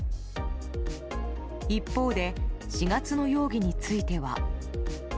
一方で４月の容疑については。